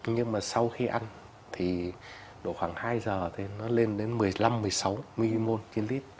nhưng mà sau khi ăn thì độ khoảng hai giờ thì nó lên đến một mươi năm một mươi sáu mol trên lít